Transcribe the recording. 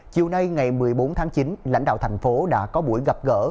chiều nay ngày một mươi bốn tháng chín lãnh đạo thành phố đã có buổi gặp gỡ